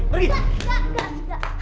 nggak nggak nggak nggak